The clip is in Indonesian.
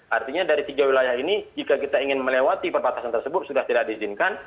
artinya dari tiga wilayah ini jika kita ingin melewati perbatasan tersebut sudah tidak diizinkan